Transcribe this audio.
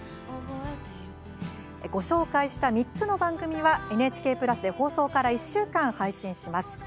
ご紹介した３つの番組はＮＨＫプラスで放送から１週間配信します。